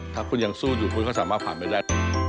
ถ้าคุณยังสู้อยู่คุณก็สามารถผ่านไปได้